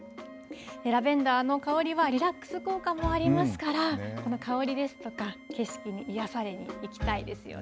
ラベンダーの香りはリラックス効果もありますからこの香りですとか景色にですね